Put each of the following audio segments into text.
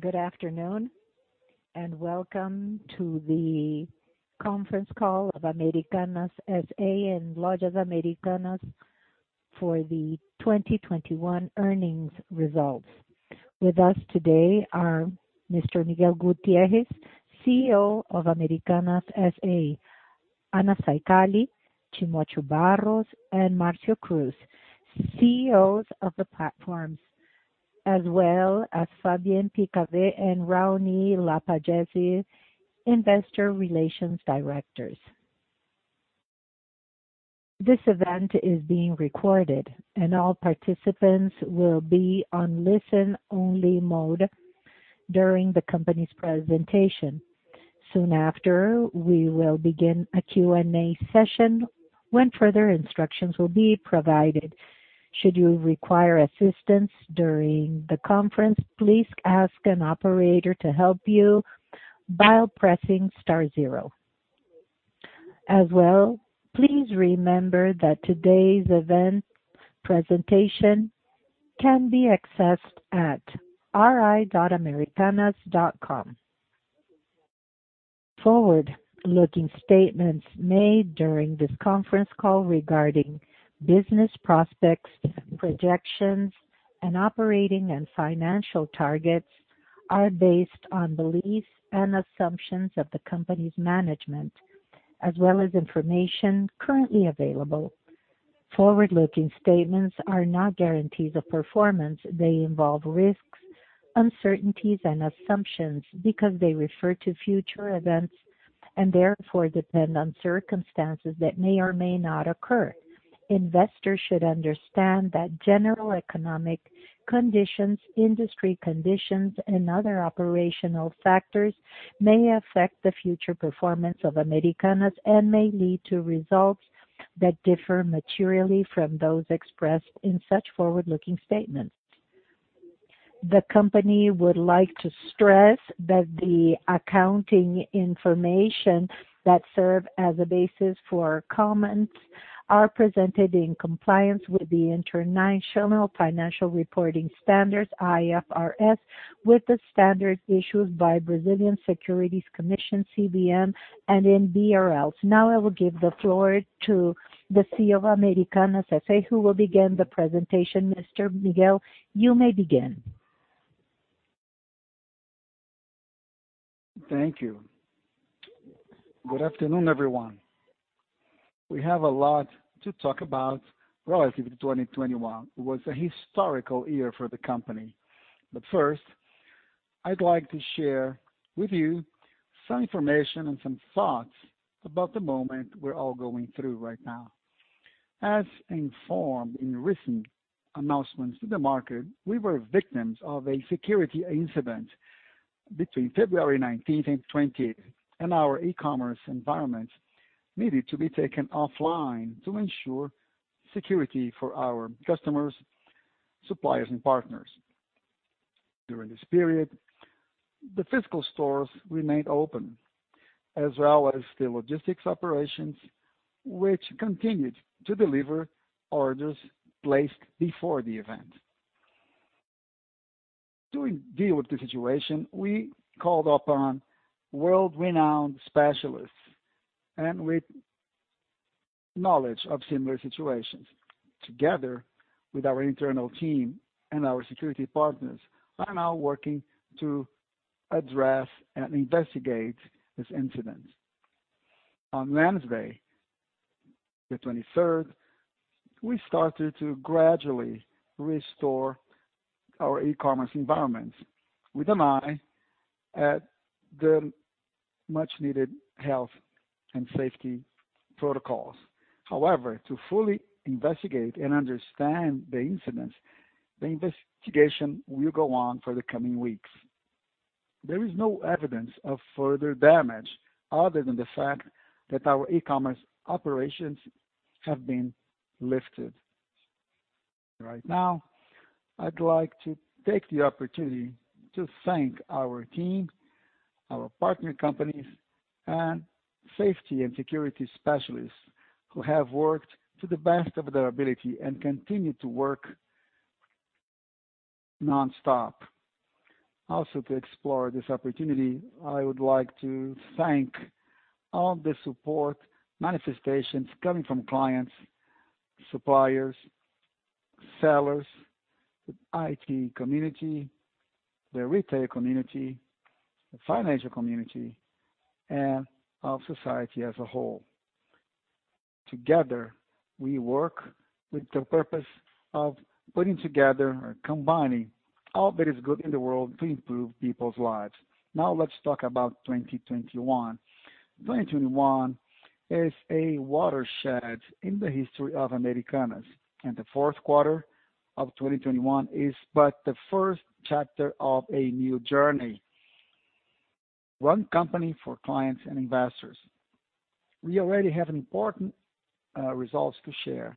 Good afternoon and welcome to the conference call of Americanas S.A. and Lojas Americanas for the 2021 earnings results. With us today are Mr. Miguel Gutierrez, CEO of Americanas S.A. Anna Saicali, José Timotheo de Barros and Marcio Cruz Meirelles, CEOs of the platforms, as well as Fabien Picavet and Raoni Lapagesse, Investor Relations directors. This event is being recorded and all participants will be on listen-only mode during the company's presentation. Soon after, we will begin a Q&A session when further instructions will be provided. Should you require assistance during the conference, please ask an operator to help you by pressing star zero. As well, please remember that today's event presentation can be accessed at ri.americanas.io. Forward-looking statements made during this conference call regarding business prospects, projections and operating and financial targets are based on beliefs and assumptions of the company's management, as well as information currently available. Forward-looking statements are not guarantees of performance. They involve risks, uncertainties and assumptions because they refer to future events and therefore depend on circumstances that may or may not occur. Investors should understand that general economic conditions, industry conditions and other operational factors may affect the future performance of Americanas and may lead to results that differ materially from those expressed in such forward-looking statements. The company would like to stress that the accounting information that serve as a basis for comments are presented in compliance with the International Financial Reporting Standards, IFRS, with the standards issued by Brazilian Securities Commission, CVM and in BRL. Now I will give the floor to the CEO of Americanas S.A., who will begin the presentation. Mr. Miguel, you may begin. Thank you. Good afternoon, everyone. We have a lot to talk about relative to 2021. It was a historical year for the company. First, I'd like to share with you some information and some thoughts about the moment we're all going through right now. As informed in recent announcements to the market, we were victims of a security incident between February 19 and February 20, and our e-commerce environment needed to be taken offline to ensure security for our customers, suppliers and partners. During this period, the physical stores remained open, as well as the logistics operations, which continued to deliver orders placed before the event. To deal with the situation, we called upon world-renowned specialists and with knowledge of similar situations. Together with our internal team and our security partners are now working to address and investigate this incident. On Wednesday the 23rd, we started to gradually restore our e-commerce environment with an eye at the much needed health and safety protocols. However, to fully investigate and understand the incidents, the investigation will go on for the coming weeks. There is no evidence of further damage other than the fact that our e-commerce operations have been lifted. Right now, I'd like to take the opportunity to thank our team, our partner companies and safety and security specialists who have worked to the best of their ability and continue to work nonstop. Also to explore this opportunity, I would like to thank all the support manifestations coming from clients, suppliers, sellers, the IT community, the retail community, the financial community, and our society as a whole. Together, we work with the purpose of putting together or combining all that is good in the world to improve people's lives. Now let's talk about 2021. 2021 is a watershed in the history of Americanas, and the fourth quarter of 2021 is but the first chapter of a new journey. One company for clients and investors. We already have important results to share.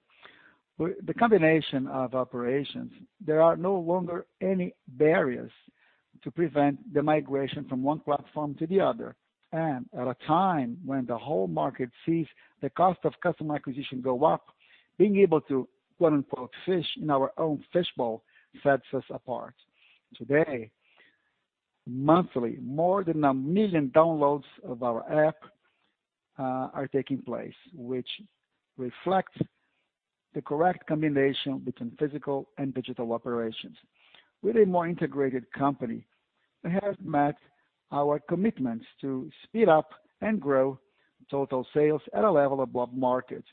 With the combination of operations, there are no longer any barriers to prevent the migration from one platform to the other. At a time when the whole market sees the cost of customer acquisition go up, being able to quote-unquote fish in our own fishbowl sets us apart. Today, monthly, more than 1 million downloads of our app are taking place, which reflects the correct combination between physical and digital operations. We're a more integrated company that has met our commitments to speed up and grow total sales at a level above market,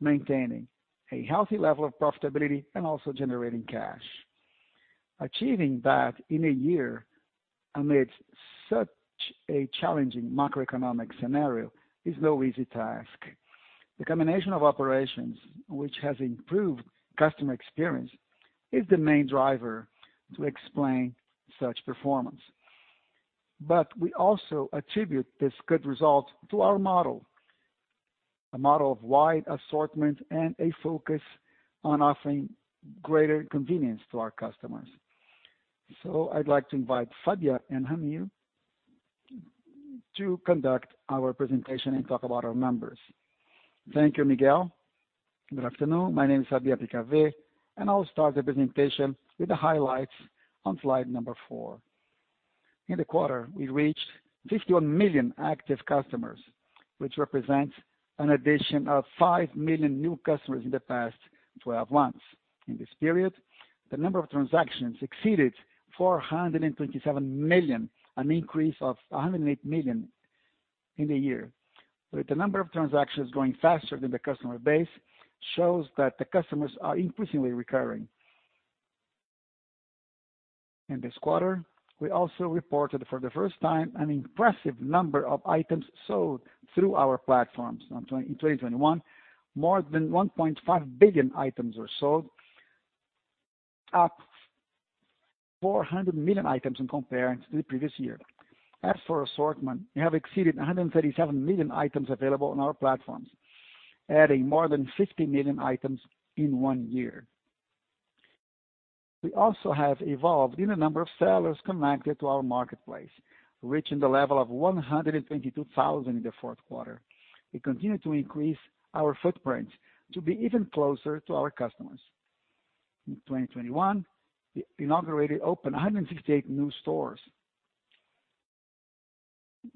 maintaining a healthy level of profitability and also generating cash. Achieving that in a year amidst such a challenging macroeconomic scenario is no easy task. The combination of operations which has improved customer experience is the main driver to explain such performance. We also attribute this good result to our model. A model of wide assortment and a focus on offering greater convenience to our customers. I'd like to invite Fabien and Raoni to conduct our presentation and talk about our numbers. Thank you, Miguel. Good afternoon. My name is Fabien Picavet, and I'll start the presentation with the highlights on slide number four. In the quarter, we reached 51 million active customers, which represents an addition of 5 million new customers in the past 12 months. In this period, the number of transactions exceeded 427 million, an increase of 108 million in the year. With the number of transactions growing faster than the customer base shows that the customers are increasingly recurring. In this quarter, we also reported for the first time an impressive number of items sold through our platforms. In 2021, more than 1.5 billion items were sold, up 400 million items in comparison to the previous year. As for assortment, we have exceeded 137 million items available on our platforms, adding more than 50 million items in one year. We also have evolved in a number of sellers connected to our marketplace, reaching the level of 122,000 in the fourth quarter. We continue to increase our footprint to be even closer to our customers. In 2021, we inaugurated 168 new stores.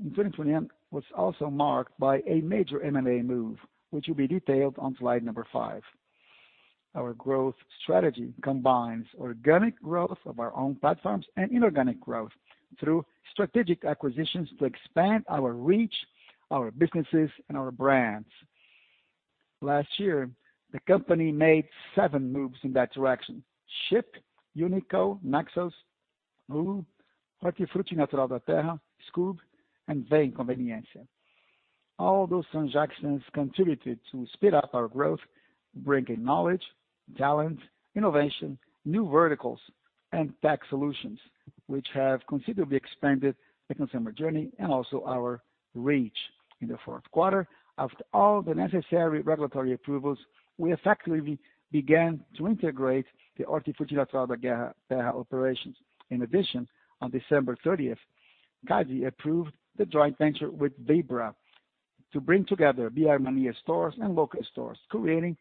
2021 was also marked by a major M&A move, which will be detailed on slide number five. Our growth strategy combines organic growth of our own platforms and inorganic growth through strategic acquisitions to expand our reach, our businesses, and our brands. Last year, the company made seven moves in that direction: Shipp, Uni.co, Nexoos, Lulu, Hortifruti Natural da Terra, Skoob, and Vem Conveniência. All those transactions contributed to speed up our growth, bringing knowledge, talent, innovation, new verticals, and tech solutions, which have considerably expanded the consumer journey and also our reach. In the fourth quarter, after all the necessary regulatory approvals, we effectively began to integrate the Hortifruti Natural da Terra operations. In addition, on December 30, CADE approved the joint venture with Vibra to bring together BR Mania stores and local stores, creating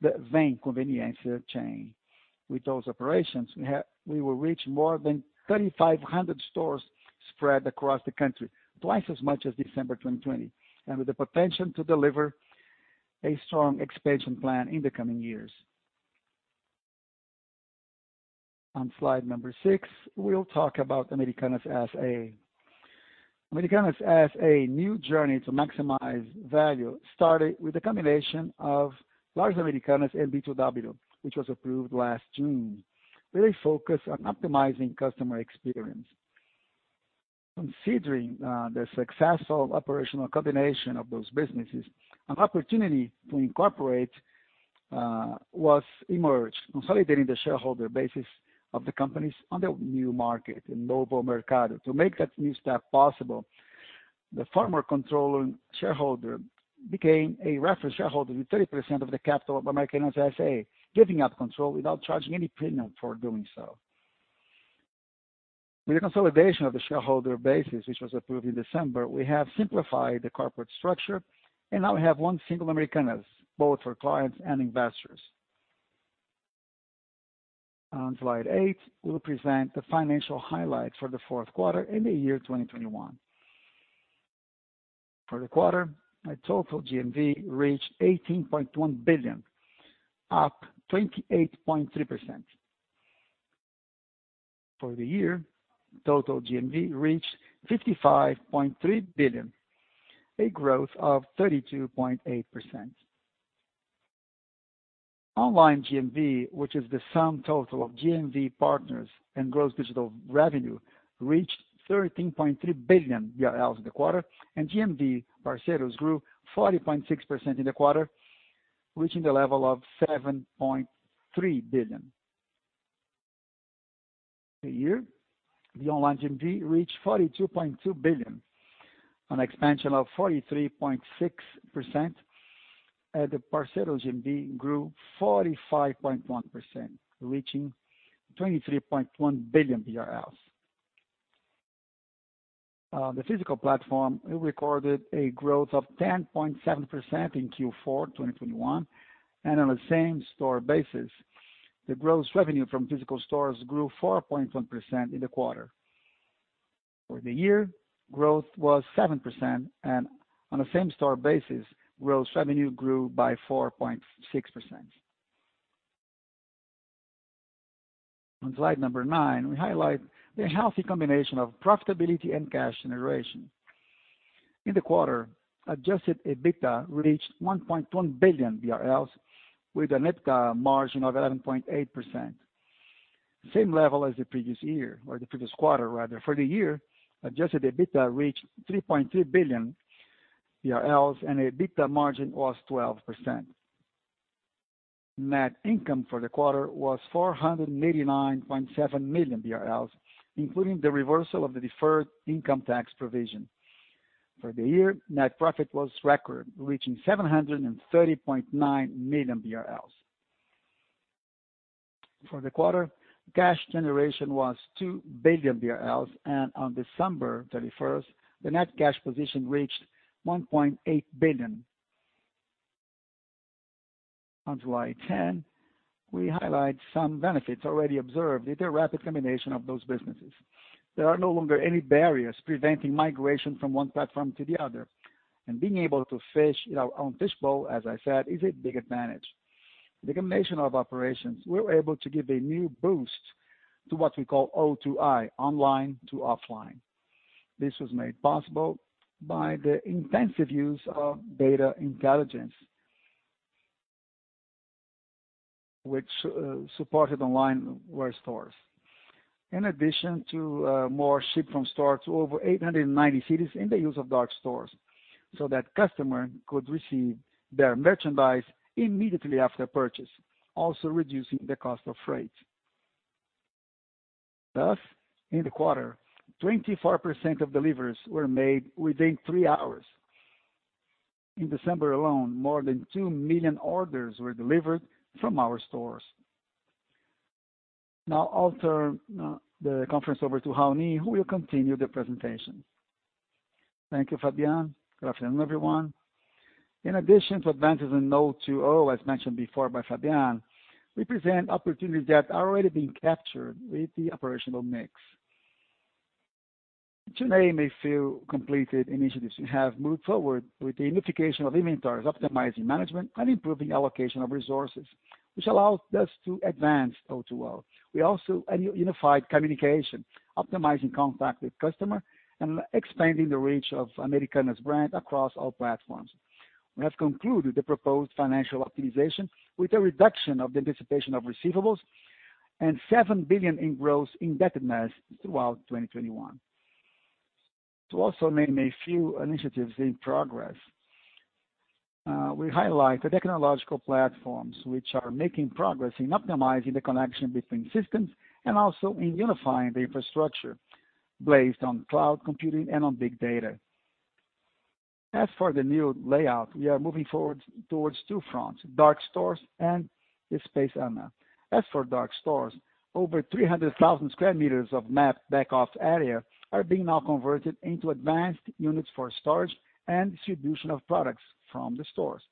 the Vem Conveniência chain. With those operations, we will reach more than 3,500 stores spread across the country, twice as much as December 2020, and with the potential to deliver a strong expansion plan in the coming years. On slide six, we'll talk about Americanas S.A. Americanas S.A. new journey to maximize value started with the combination of Lojas Americanas and B2W, which was approved last June, really focused on optimizing customer experience. Considering the successful operational combination of those businesses, an opportunity to incorporate has emerged, consolidating the shareholder base of the companies on the new market, in Novo Mercado. To make that new step possible, the former controlling shareholder became a reference shareholder with 30% of the capital of Americanas S.A., giving up control without charging any premium for doing so. With the consolidation of the shareholder basis, which was approved in December, we have simplified the corporate structure, and now we have one single Americanas, both for clients and investors. On slide eight, we'll present the financial highlights for the fourth quarter and the year 2021. For the quarter, our total GMV reached 18.1 billion, up 28.3%. For the year, total GMV reached 55.3 billion, a growth of 32.8%. Online GMV, which is the sum total of GMV partners and gross digital revenue, reached 13.3 billion BRL in the quarter, and GMV parceiros grew 40.6% in the quarter, reaching the level of 7.3 billion. the year, the online GMV reached 42.2 billion. An expansion of 43.6% and the parcel GMV grew 45.1%, reaching 23.1 billion BRL. The physical platform, it recorded a growth of 10.7% in Q4 2021. On the same-store basis, the gross revenue from physical stores grew 4.1% in the quarter. For the year, growth was 7%, and on a same-store basis, gross revenue grew by 4.6%. On slide nine, we highlight the healthy combination of profitability and cash generation. In the quarter, Adjusted EBITDA reached 1.1 billion BRL with a net margin of 11.8%. Same level as the previous year or the previous quarter, rather. For the year, Adjusted EBITDA reached 3.3 billion and EBITDA margin was 12%. Net income for the quarter was 489.7 million BRL, including the reversal of the deferred income tax provision. For the year, net profit was a record, reaching 730.9 million BRL. For the quarter, cash generation was 2 billion BRL, and on December 31, the net cash position reached 1.8 billion. On slide 10, we highlight some benefits already observed with the rapid combination of those businesses. There are no longer any barriers preventing migration from one platform to the other. Being able to fish in our own fishbowl, as I said, is a big advantage. With the combination of operations, we're able to give a new boost to what we call O2O, online to offline. This was made possible by the intensive use of data intelligence. Which supported our online stores. In addition to more ship from stores over 890 cities in the use of dark stores so that customer could receive their merchandise immediately after purchase, also reducing the cost of freight. Thus, in the quarter, 24% of deliveries were made within three hours. In December alone, more than 2 million orders were delivered from our stores. Now I'll turn the conference over to Raoni, who will continue the presentation. Thank you, Fabien. Good afternoon, everyone. In addition to advances in O2O, as mentioned before by Fabien, we present opportunities that are already being captured with the operational mix. To name a few completed initiatives, we have moved forward with the unification of inventories, optimizing management, and improving allocation of resources, which allows us to advance O2O. We unified communication, optimizing contact with customer, and expanding the reach of Americanas brand across all platforms. We have concluded the proposed financial optimization with a reduction of the anticipation of receivables and 7 billion in gross indebtedness throughout 2021. To also name a few initiatives in progress, we highlight the technological platforms which are making progress in optimizing the connection between systems and also in unifying the infrastructure based on cloud computing and on big data. As for the new layout, we are moving forward towards two fronts, dark stores and the Espaço Ame. As for dark stores, over 300,000 sq metres of mapped back office area are now being converted into advanced units for storage and distribution of products from the stores.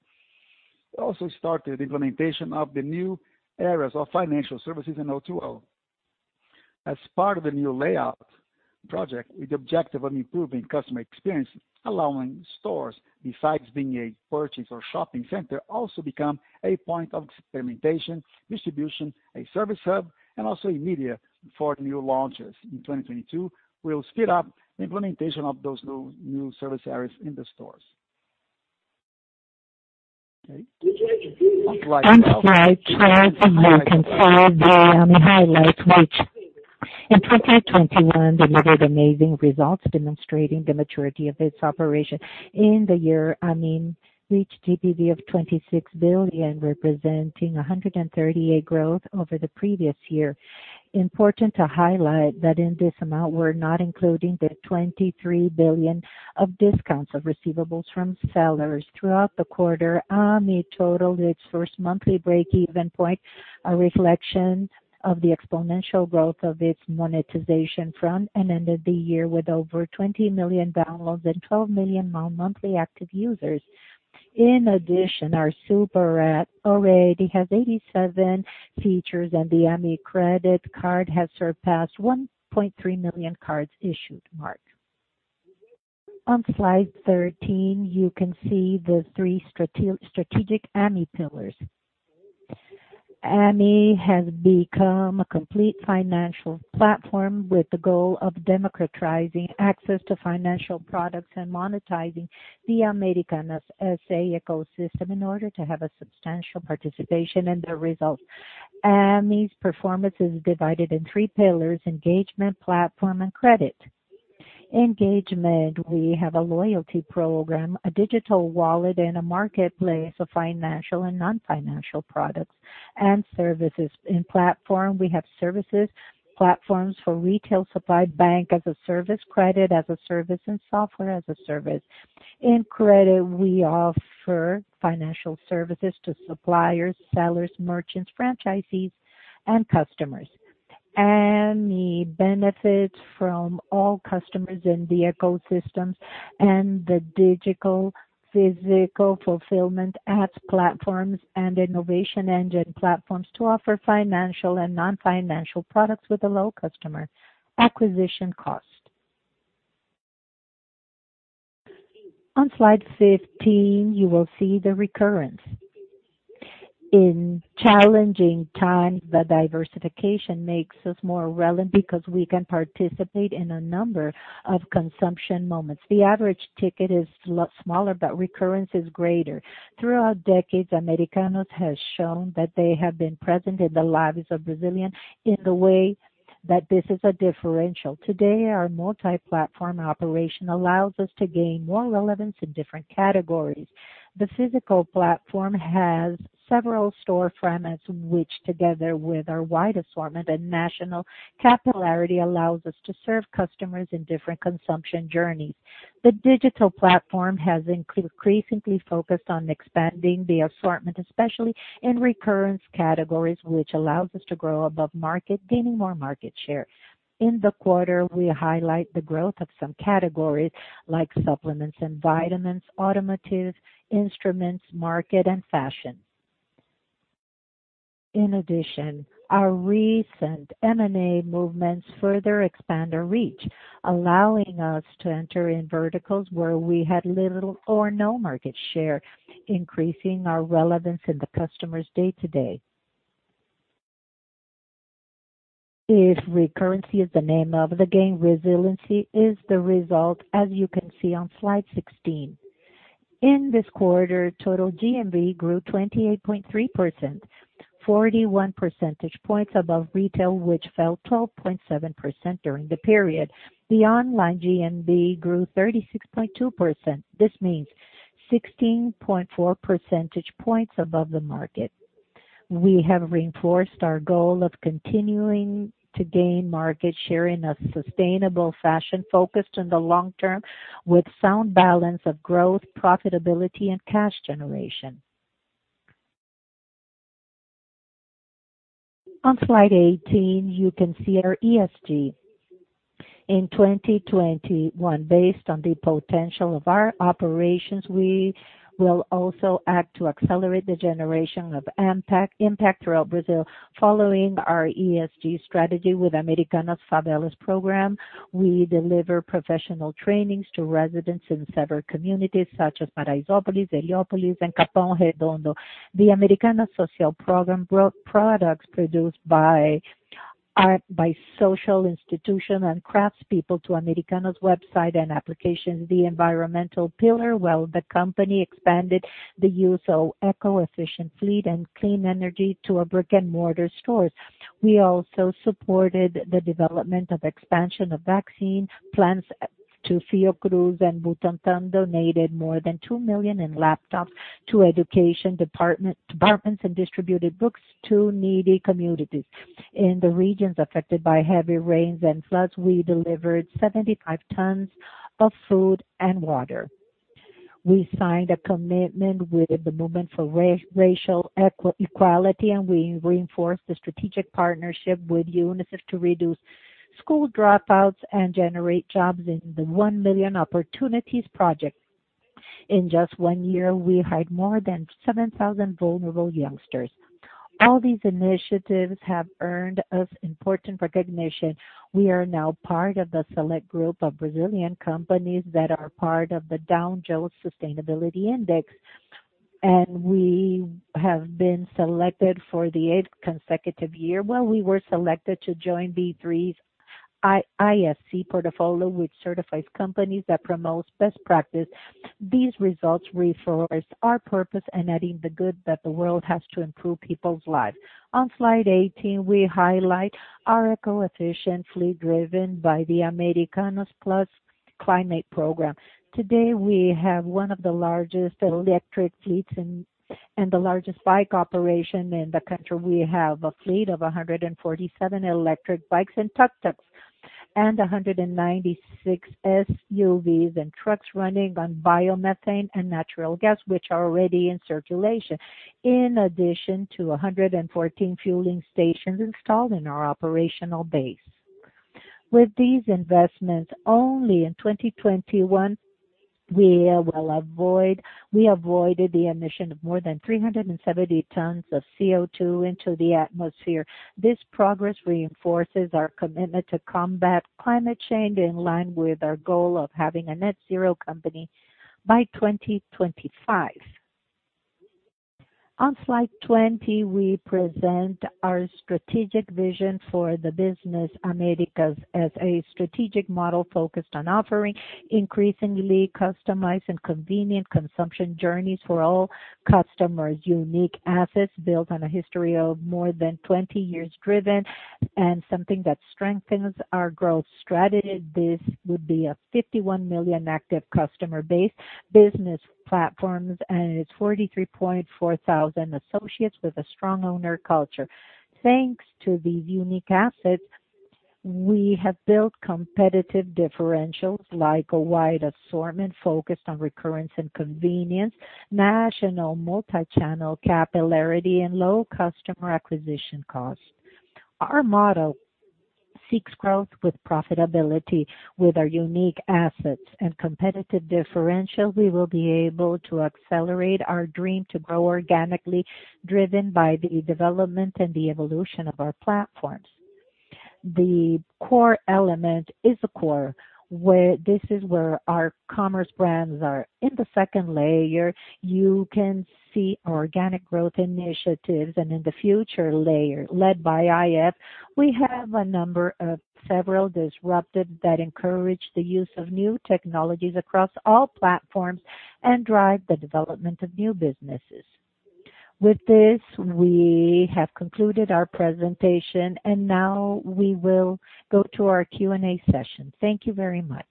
We also started implementation of the new areas of financial services in O2O. As part of the new layout project, with the objective of improving customer experience, allowing stores, besides being a purchase or shopping center, also become a point of experimentation, distribution, a service hub, and also immediate for new launches. In 2022, we'll speed up the implementation of those new service areas in the stores. Okay. On slide 12, you can see the Ame highlights, which in 2021 delivered amazing results demonstrating the maturity of its operation. In the year, I mean, reached TPV of 26 billion, representing 138% growth over the previous year. Important to highlight that in this amount, we're not including the 23 billion of discounts of receivables from sellers. Throughout the quarter, Ame totaled its first monthly break-even point, a reflection of the exponential growth of its monetization front, and ended the year with over 20 million downloads and 12 million monthly active users. In addition, our Super App already has 87 features, and the Ame credit card has surpassed 1.3 million cards issued mark. On slide 13, you can see the three strategic Ame pillars. Ame has become a complete financial platform with the goal of democratizing access to financial products and monetizing the Americanas S.A. ecosystem in order to have a substantial participation in the results. Ame's performance is divided in three pillars: engagement, platform, and credit. Engagement, we have a loyalty program, a digital wallet, and a marketplace of financial and non-financial products and services. In the platform, we have services, platforms for retail supplying Banking as a Service, Credit as a Service, and Software as a Service. In credit, we offer financial services to suppliers, sellers, merchants, franchisees, and customers. The benefits from all customers in the ecosystems and the digital, physical fulfillment apps platforms and innovation engine platforms to offer financial and non-financial products with a low customer acquisition cost. On slide 15, you will see the recurrence. In challenging times, the diversification makes us more relevant because we can participate in a number of consumption moments. The average ticket is a lot smaller, but recurrence is greater. Throughout decades, Americanas has shown that they have been present in the lives of Brazilians in the way that this is a differential. Today, our multi-platform operation allows us to gain more relevance in different categories. The physical platform has several store formats, which together with our wide assortment and national capillarity allows us to serve customers in different consumption journeys. The digital platform has increasingly focused on expanding the assortment, especially in recurring categories, which allows us to grow above market, gaining more market share. In the quarter, we highlight the growth of some categories like supplements and vitamins, automotive, instruments, market and fashion. In addition, our recent M&A movements further expand our reach, allowing us to enter in verticals where we had little or no market share, increasing our relevance in the customer's day-to-day. If recurring is the name of the game, resiliency is the result, as you can see on slide 16. In this quarter, total GMV grew 28.3%, 41 percentage points above retail, which fell 12.7% during the period. The online GMV grew 36.2%. This means 16.4 percentage points above the market. We have reinforced our goal of continuing to gain market share in a sustainable fashion, focused in the long term with sound balance of growth, profitability and cash generation. On slide 18, you can see our ESG. In 2021, based on the potential of our operations, we will also act to accelerate the generation of impact throughout Brazil. Following our ESG strategy with Americanas Favela program, we deliver professional trainings to residents in several communities such as Paraisópolis, Heliópolis, and Capão Redondo. The Americanas Social program brings products produced by artists, by social institutions and craftspeople to Americanas website and applications. The environmental pillar, well, the company expanded the use of eco-efficient fleet and clean energy to our brick-and-mortar stores. We also supported the development of expansion of vaccine plants to Fiocruz, and Butantan donated more than 2 million laptops to education departments and distributed books to needy communities. In the regions affected by heavy rains and floods, we delivered 75 tons of food and water. We signed a commitment with the Movement for Racial Equity, and we reinforced the strategic partnership with UNICEF to reduce school dropouts and generate jobs in the 1MiO project. In just one year, we hired more than 7,000 vulnerable youngsters. All these initiatives have earned us important recognition. We are now part of the select group of Brazilian companies that are part of the Dow Jones Sustainability Indices, and we have been selected for the eighth consecutive year. Well, we were selected to join B3's ISE portfolio, which certifies companies that promotes best practice. These results reinforce our purpose in adding the good that the world has to improve people's lives. On slide 18, we highlight our eco-efficient fleet driven by the Americanas+Clima program. Today, we have one of the largest electric fleets and the largest bike operation in the country. We have a fleet of 147 electric bikes and tuk tuks, and 196 SUVs and trucks running on biomethane and natural gas, which are already in circulation, in addition to 114 fueling stations installed in our operational base. With these investments, only in 2021, we avoided the emission of more than 370 tons of CO2 into the atmosphere. This progress reinforces our commitment to combat climate change in line with our goal of having a net zero company by 2025. On slide 20, we present our strategic vision for the business Americanas as a strategic model focused on offering increasingly customized and convenient consumption journeys for all customers. Unique assets built on a history of more than 20 years driven by innovation that strengthens our growth strategy. This would be a 51 million active customer base, business platforms, and its 43.4 thousand associates with a strong owner culture. Thanks to these unique assets, we have built competitive differentials like a wide assortment focused on recurrence and convenience, national multi-channel capillarity and low customer acquisition costs. Our model seeks growth with profitability. With our unique assets and competitive differentials, we will be able to accelerate our dream to grow organically, driven by the development and the evolution of our platforms. The core element is the core, where our commerce brands are. In the second layer, you can see organic growth initiatives. In the future layer led by AI, we have a number of disruptors that encourage the use of new technologies across all platforms and drive the development of new businesses. With this, we have concluded our presentation, and now we will go to our Q&A session. Thank you very much.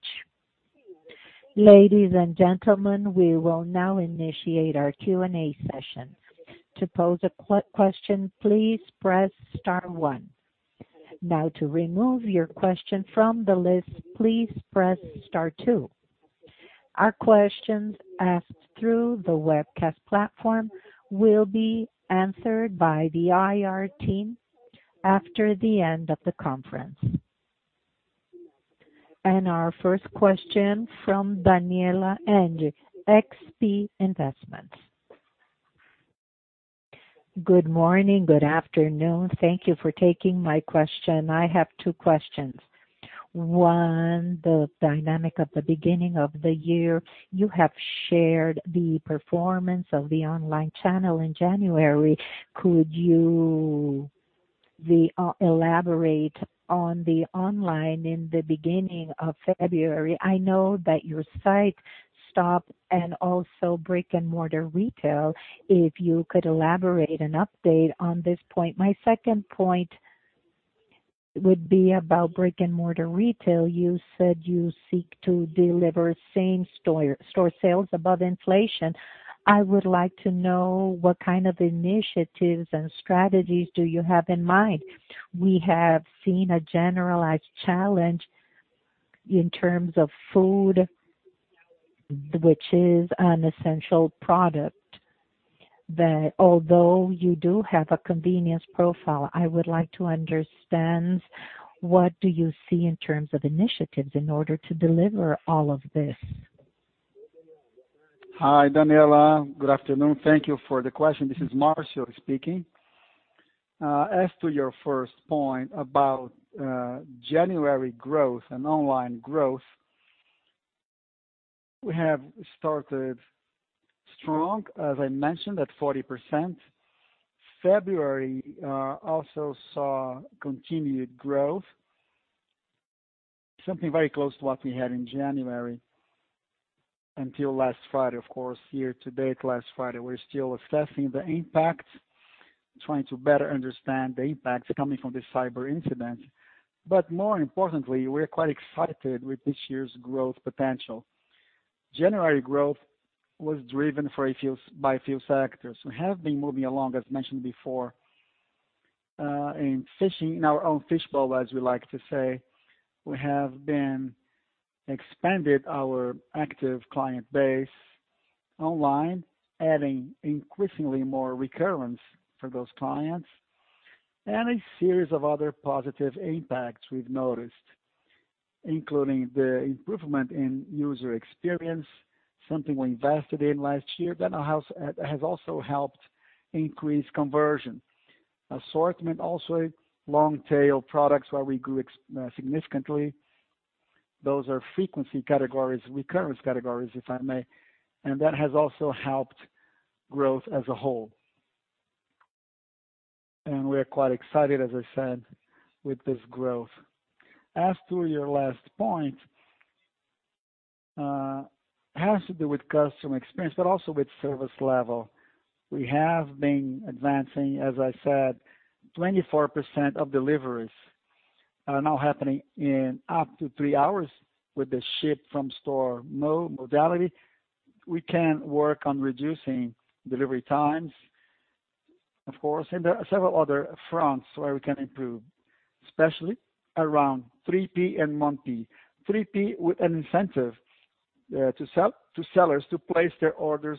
Our first question from Danniela Eiger, XP Investimentos. Good morning. Good afternoon. Thank you for taking my question. I have two questions. One, the dynamic at the beginning of the year, you have shared the performance of the online channel in January. Could you elaborate on the online in the beginning of February? I know that your site stopped and also brick-and-mortar retail. If you could elaborate an update on this point. My second point would be about brick-and-mortar retail. You said you seek to deliver same-store sales above inflation. I would like to know what kind of initiatives and strategies do you have in mind. We have seen a generalized challenge in terms of food, which is an essential product, that although you do have a convenience profile, I would like to understand what do you see in terms of initiatives in order to deliver all of this. Hi, Danniela. Good afternoon. Thank you for the question. This is Marcio speaking. As to your first point about January growth and online growth, we have started strong, as I mentioned, at 40%. February also saw continued growth, something very close to what we had in January until last Friday, of course, year to date last Friday. We're still assessing the impact, trying to better understand the impact coming from this cyber incident. More importantly, we're quite excited with this year's growth potential. January growth was driven by a few sectors. We have been moving along, as mentioned before, in our own fishbowl, as we like to say. We have expanded our active client base online, adding increasingly more recurrence for those clients and a series of other positive impacts we've noticed, including the improvement in user experience, something we invested in last year that has also helped increase conversion. Assortment also, long-tail products where we grew significantly. Those are frequency categories, recurrence categories, if I may. That has also helped growth as a whole. We are quite excited, as I said, with this growth. As to your last point, has to do with customer experience, but also with service level. We have been advancing. As I said, 24% of deliveries are now happening in up to three hours with the ship from store modality. We can work on reducing delivery times, of course. There are several other fronts where we can improve, especially around 3P and 1P. 3P with an incentive to sellers to place their orders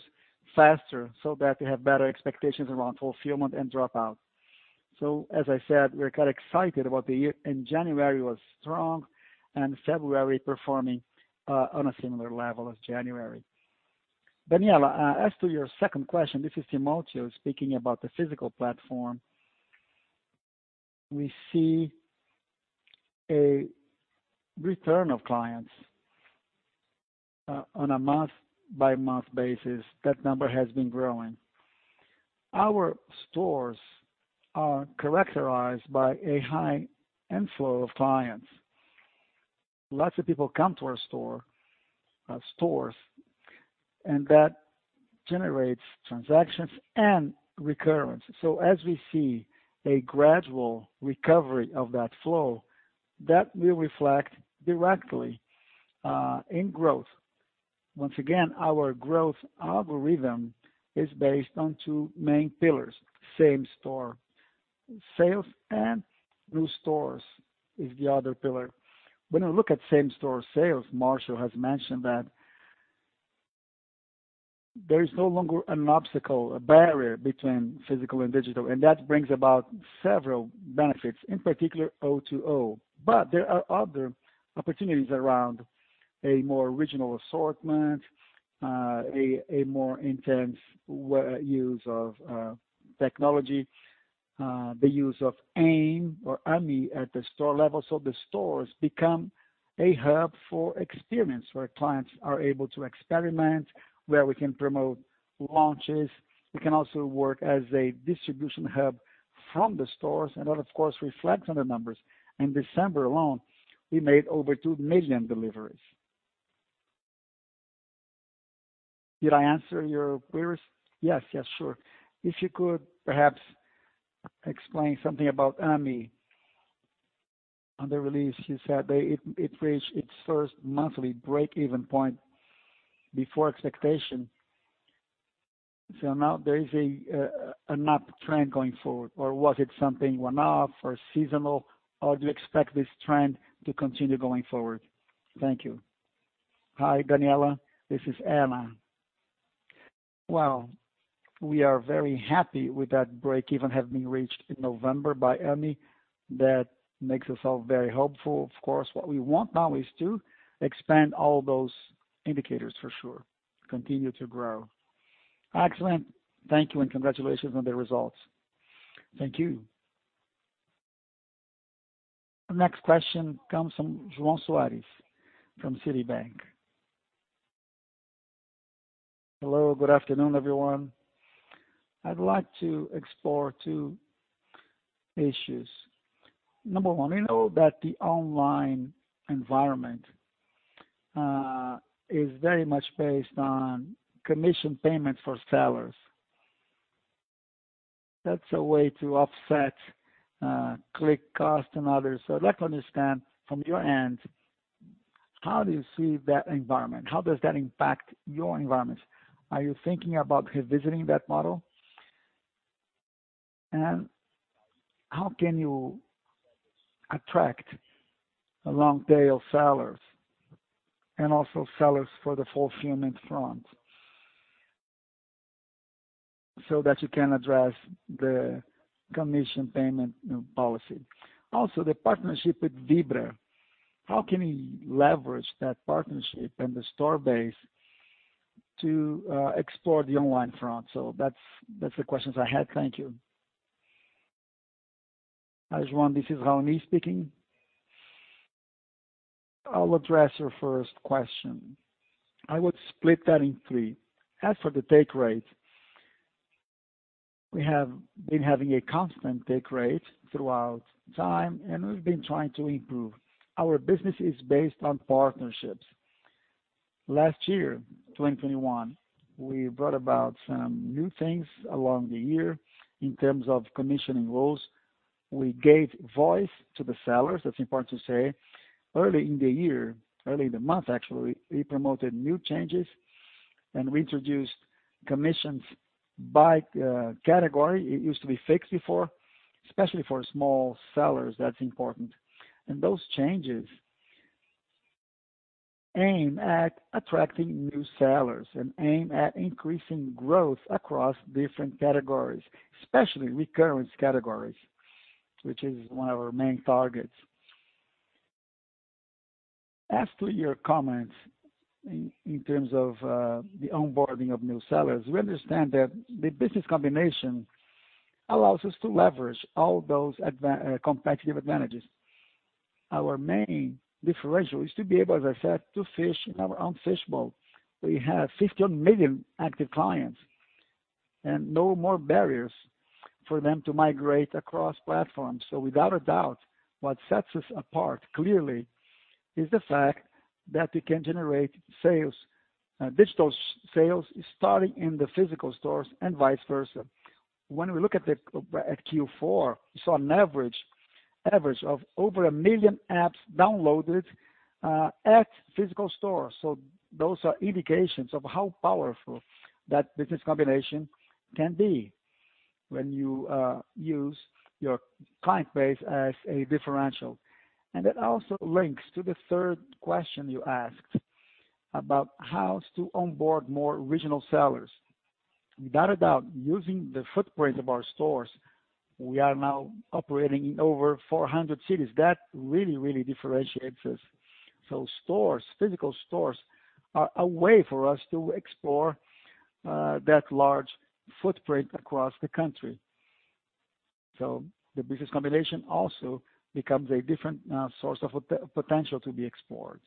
faster so that they have better expectations around fulfillment and dropout. As I said, we're quite excited about the year, and January was strong and February performing on a similar level as January. Danniela, as to your second question, this is Timotheo speaking about the physical platform. We see a return of clients on a month-by-month basis. That number has been growing. Our stores are characterized by a high inflow of clients. Lots of people come to our stores, and that generates transactions and recurrence. As we see a gradual recovery of that flow, that will reflect directly in growth. Once again, our growth algorithm is based on two main pillars, same-store sales and new stores is the other pillar. When you look at same-store sales, Marcio has mentioned that there is no longer an obstacle, a barrier between physical and digital, and that brings about several benefits, in particular O2O. There are other opportunities around a more original assortment, a more intense use of technology, the use of Ame at the store level. The stores become a hub for experience, where clients are able to experiment, where we can promote launches. We can also work as a distribution hub from the stores, and that of course reflects on the numbers. In December alone, we made over 2 million deliveries. Did I answer your queries? Yes. Yes, sure. If you could perhaps explain something about Ame? On the release, you said it reached its first monthly break-even point before expectation. Now there is an uptrend going forward, or was it something one-off or seasonal, or do you expect this trend to continue going forward? Thank you. Hi, Danniela. This is Anna. Well, we are very happy with that break-even having been reached in November by Ame. That makes us all very hopeful. Of course, what we want now is to expand all those indicators for sure. Continue to grow. Excellent. Thank you and congratulations on the results. Thank you. Next question comes from João Soares from Citibank. Hello, good afternoon, everyone. I'd like to explore two issues. Number one, we know that the online environment is very much based on commission payments for sellers. That's a way to offset click cost and others. I'd like to understand from your end, how do you see that environment? How does that impact your environment? Are you thinking about revisiting that model? And how can you attract a long tail of sellers and also sellers for the fulfillment front so that you can address the commission payment policy? Also the partnership with Vibra. How can you leverage that partnership and the store base to explore the online front? That's the questions I had. Thank you. Hi, João, this is Raoni Lapagesse speaking. I'll address your first question. I would split that in three. As for the take rate, we have been having a constant take rate throughout time, and we've been trying to improve. Our business is based on partnerships. Last year, 2021, we brought about some new things along the year in terms of commission rules. We gave voice to the sellers, that's important to say. Early in the year, early in the month, actually, we promoted new changes, and we introduced commissions by category. It used to be fixed before. Especially for small sellers, that's important. Those changes aim at attracting new sellers and aim at increasing growth across different categories, especially recurrence categories, which is one of our main targets. As to your comments in terms of the onboarding of new sellers, we understand that the business combination allows us to leverage all those competitive advantages. Our main differential is to be able, as I said, to fish in our own fishbowl. We have 15 million active clients and no more barriers for them to migrate across platforms. Without a doubt, what sets us apart, clearly, is the fact that we can generate sales, digital sales starting in the physical stores and vice versa. When we look at Q4, we saw an average of over 1 million apps downloaded at physical stores. Those are indications of how powerful that business combination can be when you use your client base as a differential. It also links to the third question you asked about how to onboard more original sellers. Without a doubt, using the footprint of our stores, we are now operating in over 400 cities. That really differentiates us. Physical stores are a way for us to explore that large footprint across the country. The business combination also becomes a different source of potential to be explored.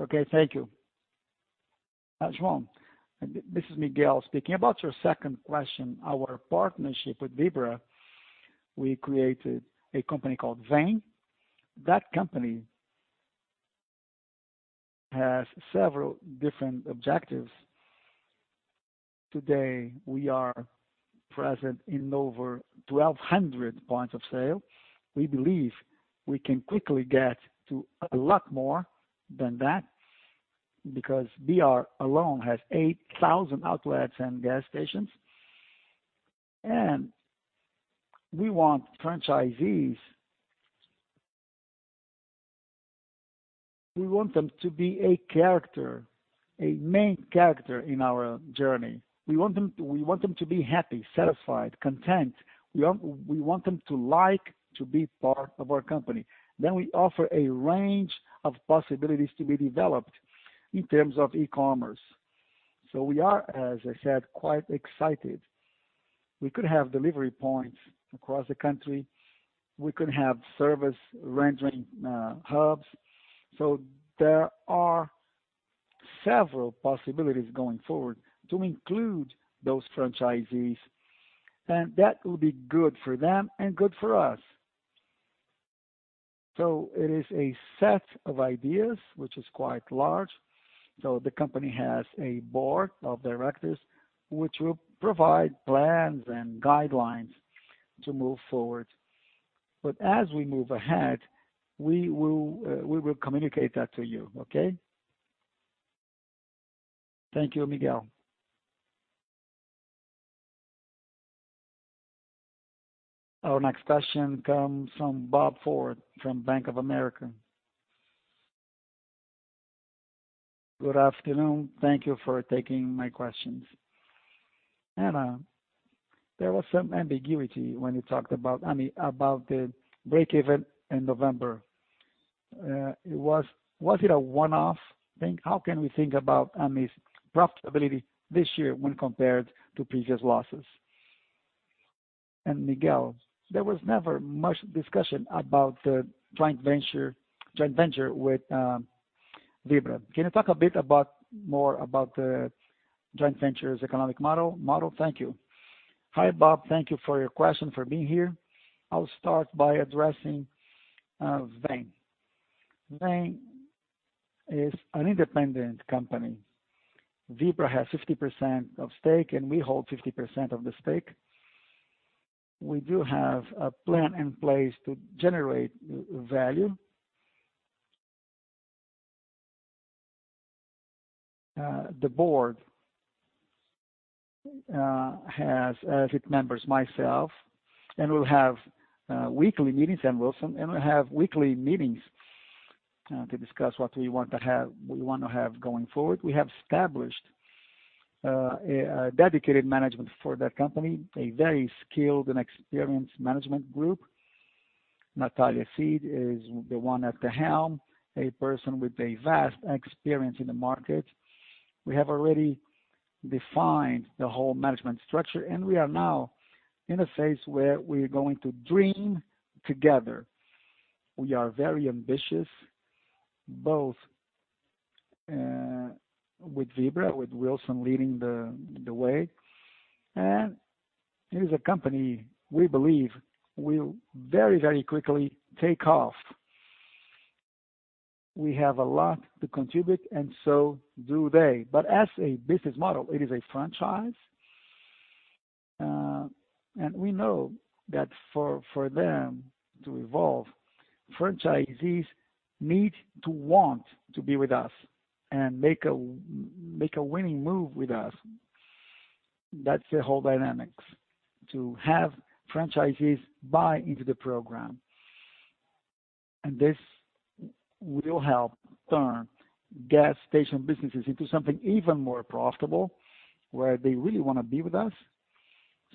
Okay, thank you. Hi, João. This is Miguel speaking. About your second question, our partnership with Vibra, we created a company called Vem Conveniência. That company has several different objectives. Today, we are present in over 1,200 points of sale. We believe we can quickly get to a lot more than that because Vibra alone has 8,000 outlets and gas stations. We want franchisees. We want them to be a character, a main character in our journey. We want them to be happy, satisfied, content. We want them to like to be part of our company. We offer a range of possibilities to be developed in terms of e-commerce. We are, as I said, quite excited. We could have delivery points across the country. We could have service rendering hubs. There are several possibilities going forward to include those franchisees, and that will be good for them and good for us. It is a set of ideas, which is quite large. The company has a board of directors, which will provide plans and guidelines to move forward. As we move ahead, we will communicate that to you, okay? Thank you, Miguel. Our next question comes from Bob Ford from Bank of America. Good afternoon. Thank you for taking my questions. Anna, there was some ambiguity when you talked about Ame, about the break-even in November. Was it a one-off thing? How can we think about Ame's profitability this year when compared to previous losses? And Miguel, there was never much discussion about the joint venture with Vibra. Can you talk a bit more about the joint venture's economic model? Thank you. Hi, Bob. Thank you for your question, for being here. I'll start by addressing Vem. Vem is an independent company. Vibra has 50% of stake, and we hold 50% of the stake. We do have a plan in place to generate value. The board has as its members myself, and Wilson, and we'll have weekly meetings to discuss what we want to have, we wanna have going forward. We have established a dedicated management for that company, a very skilled and experienced management group. Natalia Cid is the one at the helm, a person with a vast experience in the market. We have already defined the whole management structure, and we are now in a phase where we're going to dream together. We are very ambitious, both with Vibra, with Wilson leading the way. It is a company we believe will very quickly take off. We have a lot to contribute, and so do they. As a business model, it is a franchise. We know that for them to evolve, franchisees need to want to be with us and make a winning move with us. That's the whole dynamics, to have franchisees buy into the program. This will help turn gas station businesses into something even more profitable, where they really wanna be with us.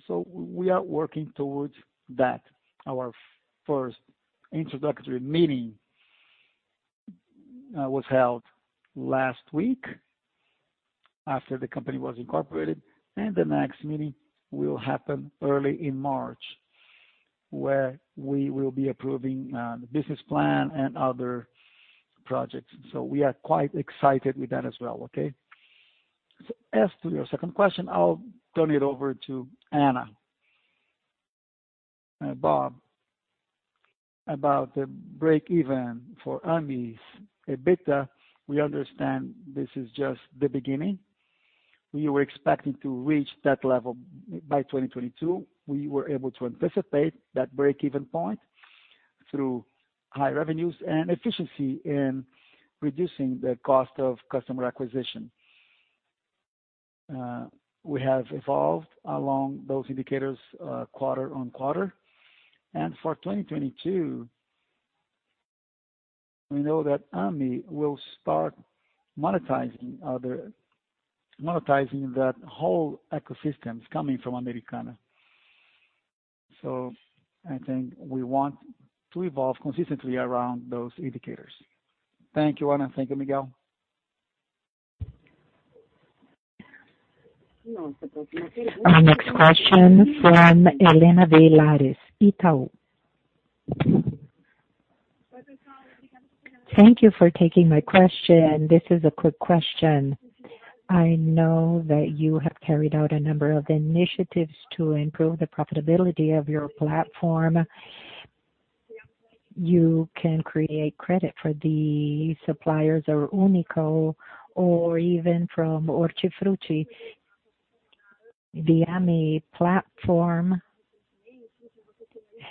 We are working towards that. Our first introductory meeting was held last week after the company was incorporated, and the next meeting will happen early in March, where we will be approving the business plan and other projects. We are quite excited with that as well, okay? As to your second question, I'll turn it over to Anna. Bob, about the break-even for Ame's EBITDA, we understand this is just the beginning. We were expecting to reach that level by 2022. We were able to anticipate that break-even point through high revenues and efficiency in reducing the cost of customer acquisition. We have evolved along those indicators, quarter-over-quarter. For 2022, we know that Ame will start monetizing that whole ecosystem coming from Americanas. I think we want to evolve consistently around those indicators. Thank you, Anna. Thank you, Miguel. Our next question from Helena Villares, Itaú BBA. Thank you for taking my question. This is a quick question. I know that you have carried out a number of initiatives to improve the profitability of your platform. You can create credit for the suppliers or Uni.co or even from Hortifruti Natural da Terra. The Ame platform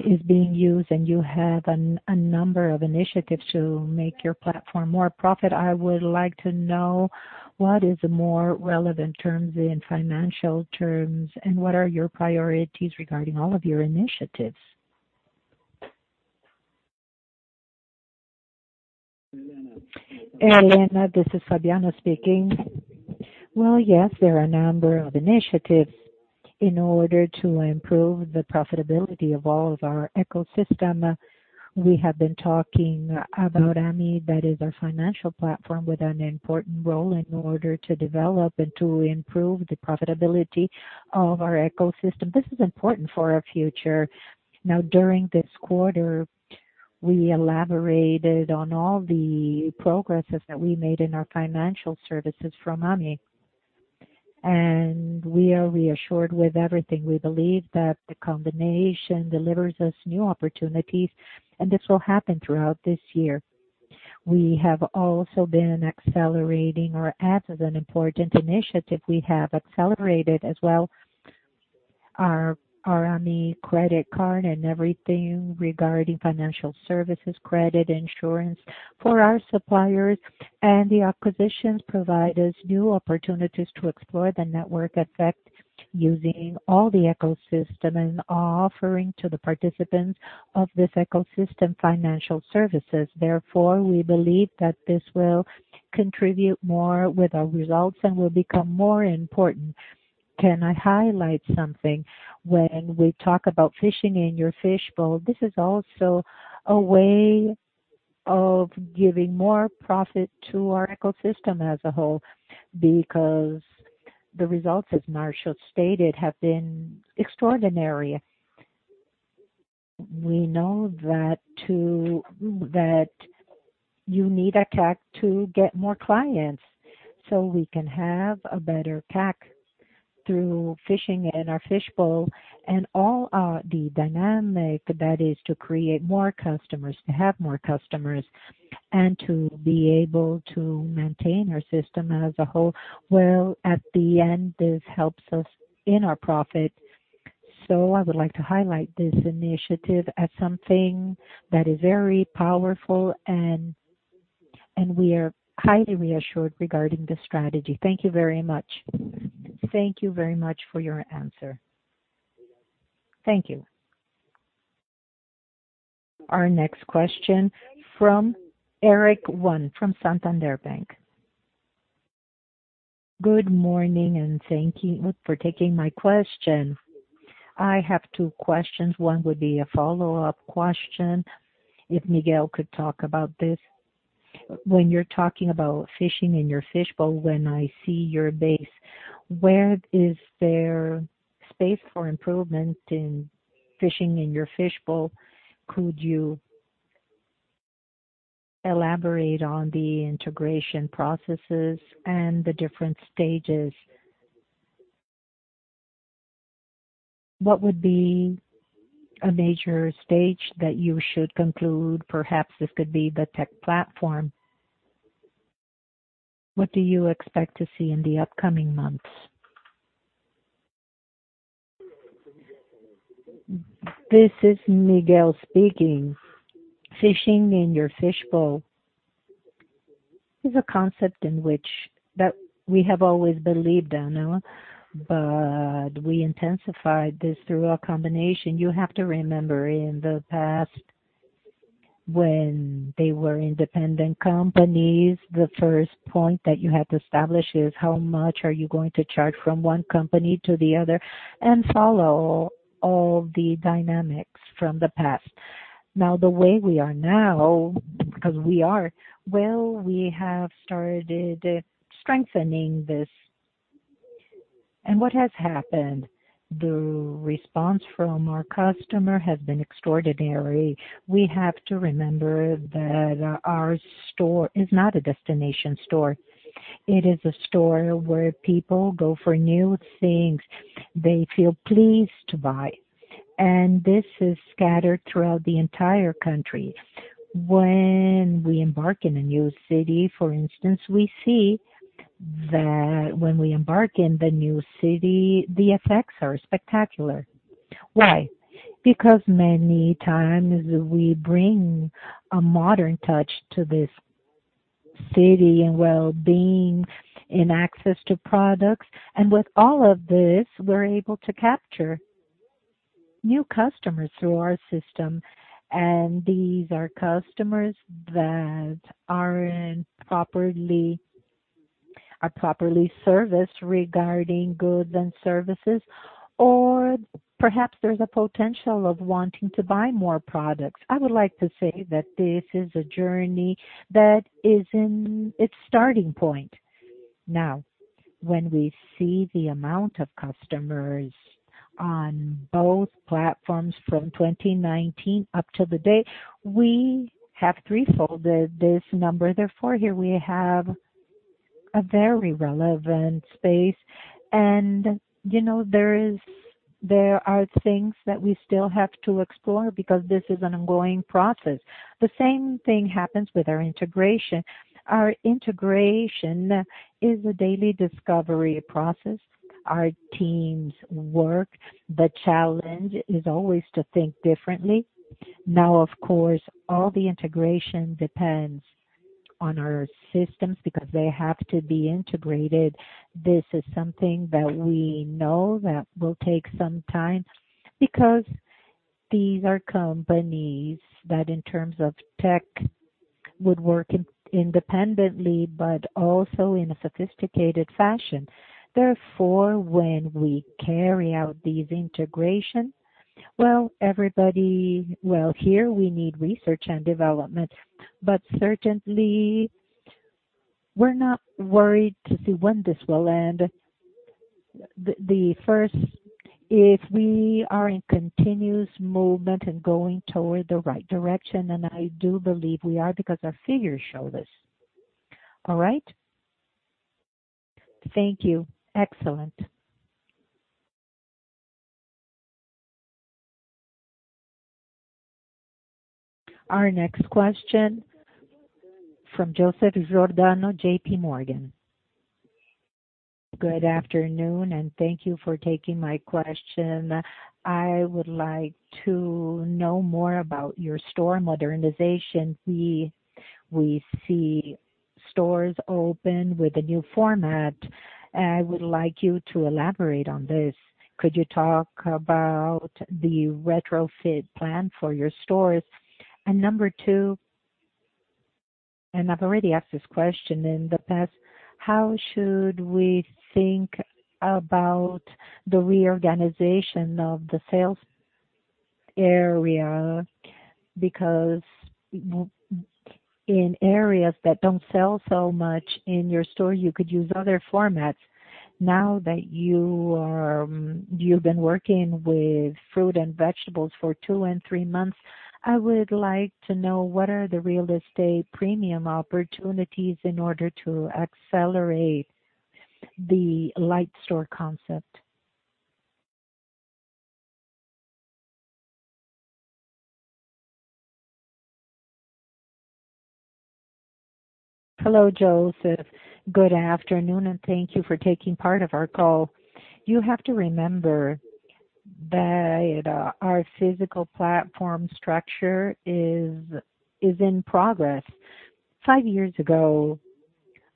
is being used, and you have a number of initiatives to make your platform more profitable. I would like to know what is the more relevant terms in financial terms and what are your priorities regarding all of your initiatives. Helena, this is Fabien speaking. Well, yes, there are a number of initiatives in order to improve the profitability of all of our ecosystem. We have been talking about Ame. That is our financial platform with an important role in order to develop and to improve the profitability of our ecosystem. This is important for our future. Now, during this quarter, we elaborated on all the progresses that we made in our financial services from Ame. We are reassured with everything. We believe that the combination delivers us new opportunities, and this will happen throughout this year. We have also been accelerating our ads as an important initiative. We have accelerated as well our Ame credit card and everything regarding financial services, credit insurance for our suppliers. The acquisitions provide us new opportunities to explore the network effect using all the ecosystem and offering to the participants of this ecosystem financial services. Therefore, we believe that this will contribute more with our results and will become more important. Can I highlight something? When we talk about fishing in your fishbowl, this is also a way of giving more profit to our ecosystem as a whole because the results, as Marcio stated, have been extraordinary. We know that you need a CAC to get more clients. We can have a better CAC through fishing in our fishbowl and all, the dynamic that is to have more customers and to be able to maintain our system as a whole. Well, at the end, this helps us in our profit. I would like to highlight this initiative as something that is very powerful, and we are highly reassured regarding the strategy. Thank you very much. Thank you very much for your answer. Thank you. Our next question from Eric Huang from Santander Bank. Good morning, and thank you for taking my question. I have two questions. One would be a follow-up question, if Miguel could talk about this. When you're talking about fishing in your fishbowl, when I see your base, where is there space for improvement in fishing in your fishbowl? Could you elaborate on the integration processes and the different stages? What would be a major stage that you should conclude? Perhaps this could be the tech platform. What do you expect to see in the upcoming months? This is Miguel speaking. Fishing in your fishbowl is a concept that we have always believed in, but we intensified this through a combination. You have to remember, in the past when they were independent companies, the first point that you had to establish is how much are you going to charge from one company to the other and follow all the dynamics from the past. Now, the way we are now, well, we have started strengthening this. What has happened? The response from our customer has been extraordinary. We have to remember that our store is not a destination store. It is a store where people go for new things they feel pleased to buy. This is scattered throughout the entire country. When we embark in a new city, for instance, we see that the effects are spectacular. Why? Because many times we bring a modern touch to this city and wellbeing and access to products. With all of this, we're able to capture new customers through our system. These are customers that are properly serviced regarding goods and services. Or perhaps there's a potential of wanting to buy more products. I would like to say that this is a journey that is in its starting point. Now, when we see the amount of customers on both platforms from 2019 up to the date, we have threefold this number. Therefore, here we have a very relevant space. You know, there are things that we still have to explore because this is an ongoing process. The same thing happens with our integration. Our integration is a daily discovery process. Our teams work. The challenge is always to think differently. Now, of course, all the integration depends on our systems because they have to be integrated. This is something that we know that will take some time because these are companies that, in terms of tech, would work independently, but also in a sophisticated fashion. Therefore, when we carry out these integrations, well, everybody. Well, here we need research and development. Certainly, we're not worried to see when this will end. The first, if we are in continuous movement and going toward the right direction, and I do believe we are because our figures show this. All right? Thank you. Excellent. Our next question from Joseph Giordano, JPMorgan. Good afternoon, and thank you for taking my question. I would like to know more about your store modernization. We see stores open with a new format. I would like you to elaborate on this. Could you talk about the retrofit plan for your stores? And number two, and I've already asked this question in the past, how should we think about the reorganization of the sales area? Because in areas that don't sell so much in your store, you could use other formats. Now that you are, you've been working with fruit and vegetables for two and three months, I would like to know what are the real estate premium opportunities in order to accelerate the light store concept. Hello, Joseph. Good afternoon, and thank you for taking part of our call. You have to remember that our physical platform structure is in progress. Five years ago,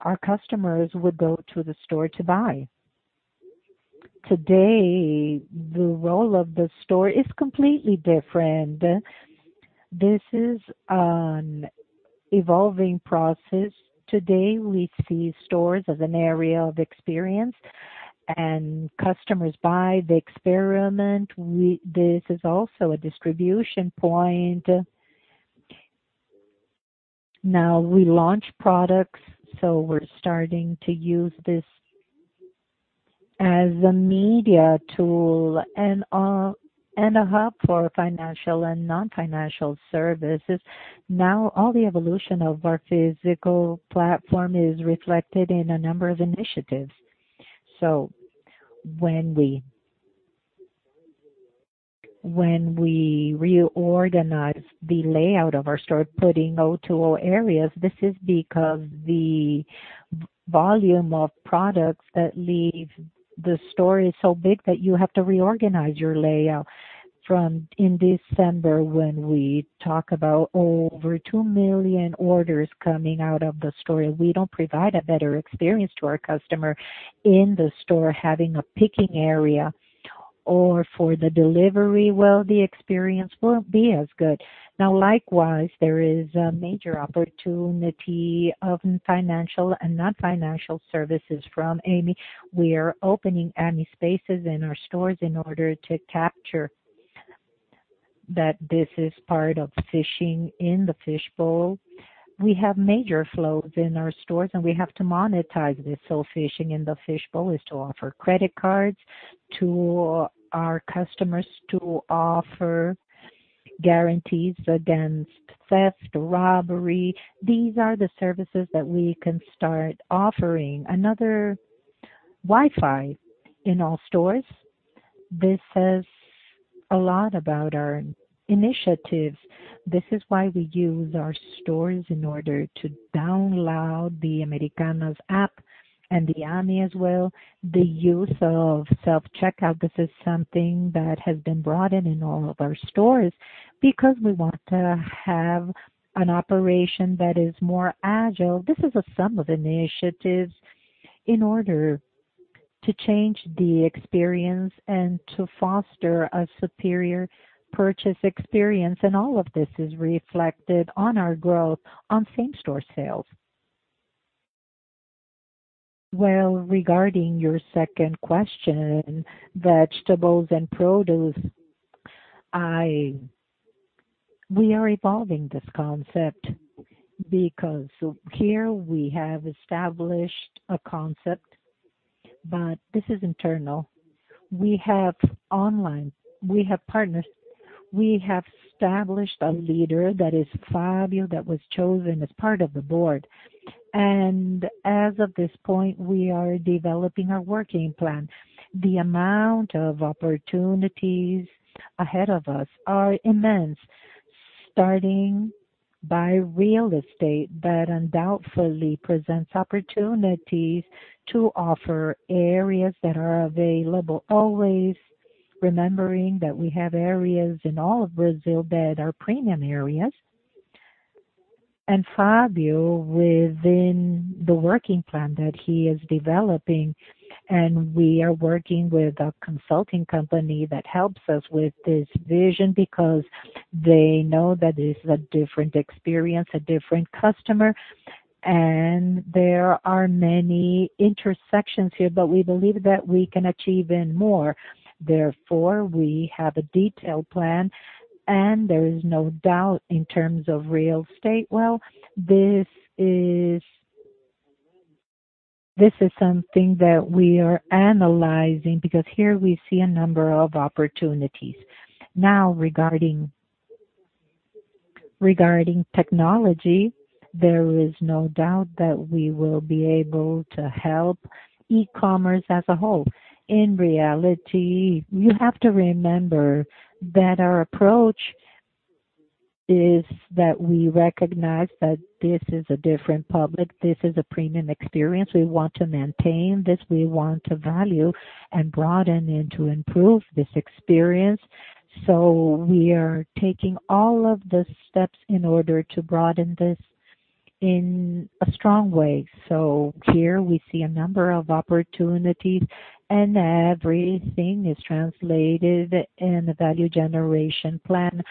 our customers would go to the store to buy. Today, the role of the store is completely different. This is an evolving process. Today, we see stores as an area of experience, and customers buy the experience. This is also a distribution point. Now we launch products, so we're starting to use this as a media tool and a hub for financial and non-financial services. Now, all the evolution of our physical platform is reflected in a number of initiatives. When we reorganize the layout of our store, putting O2O areas, this is because the volume of products that leave the store is so big that you have to reorganize your layout. In December, when we talk about over 2 million orders coming out of the store, we do provide a better experience to our customer in the store having a picking area. Or for the delivery, well, the experience won't be as good. Now, likewise, there is a major opportunity of financial and non-financial services from Ame. We are opening Ame spaces in our stores in order to capture that this is part of fishing in the fishbowl. We have major flows in our stores, and we have to monetize this. Fishing in the fishbowl is to offer credit cards to our customers, to offer guarantees against theft, robbery. These are the services that we can start offering. Another Wi-Fi in all stores. This says a lot about our initiatives. This is why we use our stores in order to download the Americanas app and the Ame as well. The use of self-checkout, this is something that has been brought in in all of our stores because we want to have an operation that is more agile. This is a sum of initiatives in order to change the experience and to foster a superior purchase experience. All of this is reflected on our growth on same-store sales. Well, regarding your second question, vegetables and produce, we are evolving this concept because here we have established a concept. But this is internal. We have online, we have partners. We have established a leader that is Fabio, that was chosen as part of the board. As of this point, we are developing our working plan. The amount of opportunities ahead of us are immense, starting by real estate, that undoubtedly presents opportunities to offer areas that are available, always remembering that we have areas in all of Brazil that are premium areas. Fabio, within the working plan that he is developing, and we are working with a consulting company that helps us with this vision because they know that it's a different experience, a different customer, and there are many intersections here, but we believe that we can achieve even more. Therefore, we have a detailed plan, and there is no doubt in terms of real estate. Well, this is something that we are analyzing because here we see a number of opportunities. Now regarding technology, there is no doubt that we will be able to help e-commerce as a whole. In reality, you have to remember that our approach is that we recognize that this is a different public. This is a premium experience. We want to maintain this. We want to value and broaden and to improve this experience. We are taking all of the steps in order to broaden this in a strong way. Here we see a number of opportunities, and everything is translated in the value generation plan.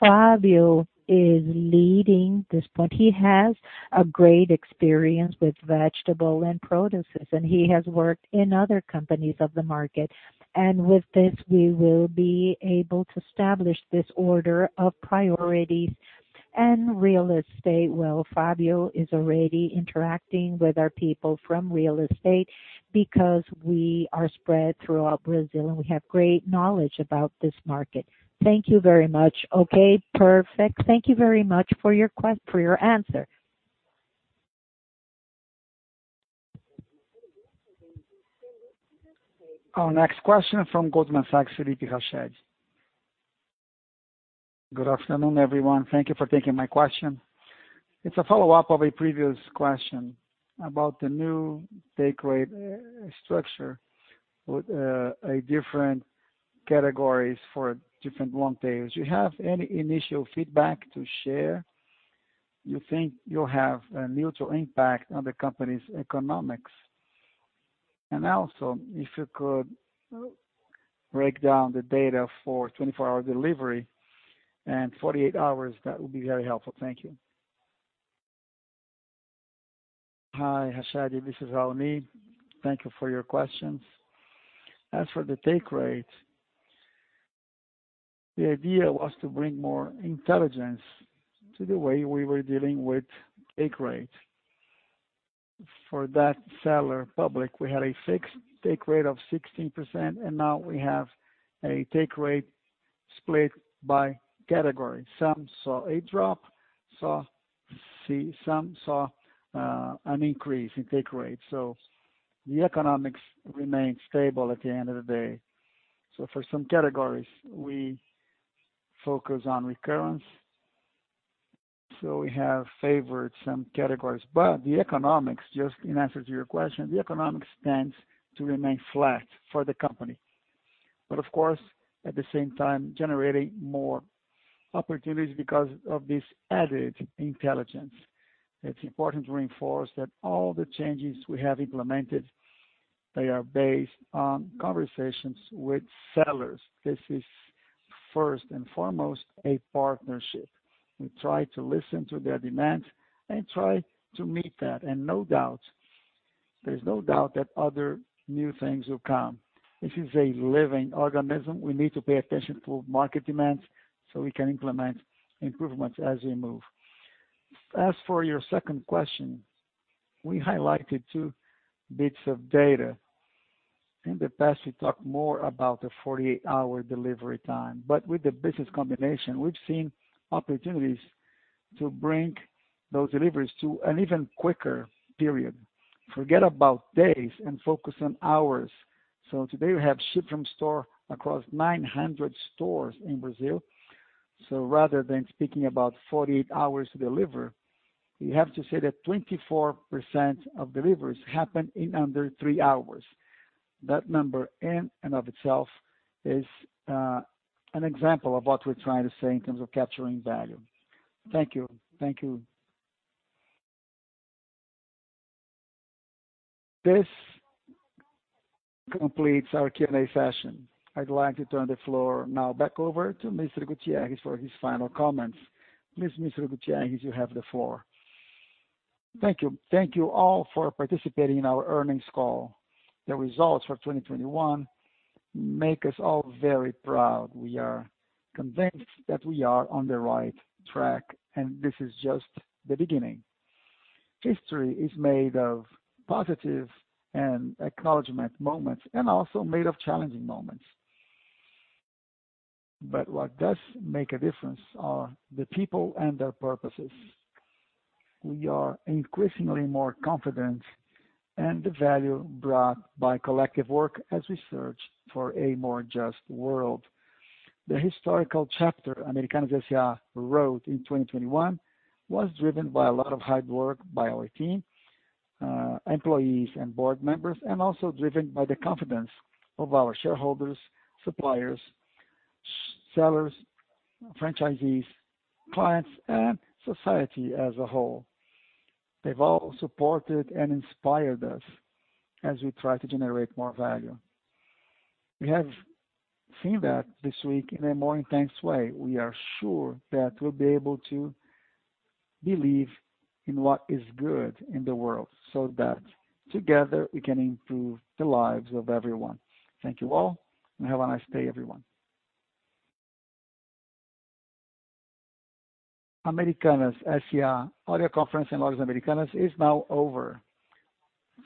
Fabio is leading this point. He has a great experience with vegetables and produce, and he has worked in other companies of the market. With this, we will be able to establish this order of priorities and real estate. Well, Fabio is already interacting with our people from real estate because we are spread throughout Brazil, and we have great knowledge about this market. Thank you very much. Okay, perfect. Thank you very much for your answer. Our next question from Goldman Sachs, Felipe Rached. Good afternoon, everyone. Thank you for taking my question. It's a follow-up of a previous question about the new take rate structure with a different categories for different long tails. Do you have any initial feedback to share? You think you'll have a neutral impact on the company's economics? And also, if you could break down the data for 24-hour delivery and 48 hours, that would be very helpful. Thank you. Hi, Rached. This is Raoni. Thank you for your questions. As for the take rate, the idea was to bring more intelligence to the way we were dealing with take rate. For that seller public, we had a fixed take rate of 16%, and now we have a take rate split by category. Some saw a drop. Some saw an increase in take rate. The economics remained stable at the end of the day. For some categories, we focus on recurrence. We have favored some categories. The economics, just in answer to your question, the economics tends to remain flat for the company. Of course, at the same time, generating more opportunities because of this added intelligence. It's important to reinforce that all the changes we have implemented, they are based on conversations with sellers. This is first and foremost a partnership. We try to listen to their demands and try to meet that. There's no doubt that other new things will come. This is a living organism. We need to pay attention to market demands so we can implement improvements as we move. As for your second question, we highlighted two bits of data. In the past, we talked more about the 48-hour delivery time. With the business combination, we've seen opportunities to bring those deliveries to an even quicker period. Forget about days and focus on hours. Today we have ship from store across 900 stores in Brazil. Rather than speaking about 48 hours to deliver, we have to say that 24% of deliveries happen in under three hours. That number in and of itself is an example of what we're trying to say in terms of capturing value. Thank you. Thank you. This completes our Q&A session. I'd like to turn the floor now back over to Mr. Gutierrez for his final comments. Please, Mr. Gutierrez, you have the floor. Thank you all for participating in our earnings call. The results for 2021 make us all very proud. We are convinced that we are on the right track, and this is just the beginning. History is made of positive and acknowledgment moments and also made of challenging moments. What does make a difference are the people and their purposes. We are increasingly more confident and the value brought by collective work as we search for a more just world. The historical chapter Americanas S.A. wrote in 2021 was driven by a lot of hard work by our team, employees and board members, and also driven by the confidence of our shareholders, suppliers, sellers, franchisees, clients, and society as a whole. They've all supported and inspired us as we try to generate more value. We have seen that this week in a more intense way. We are sure that we'll be able to believe in what is good in the world so that together we can improve the lives of everyone. Thank you all, and have a nice day, everyone. Americanas S.A. Audio conference on Lojas Americanas is now over.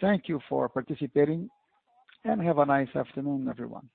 Thank you for participating, and have a nice afternoon, everyone.